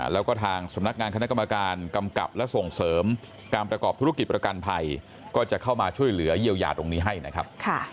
แล้วก็ทางสำนักงานคณะกรรมการกำกับและส่งเสริมการประกอบธุรกิจประกันภัยก็จะเข้ามาช่วยเหลือเยียวยาตรงนี้ให้นะครับ